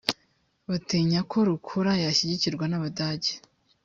batinyaga ko rukura yashyigikirwa n’abadage